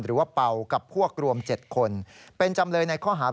เป่ากับพวกรวม๗คนเป็นจำเลยในข้อหา